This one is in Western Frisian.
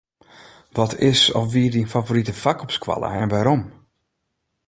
Wat is of wie dyn favorite fak op skoalle en wêrom?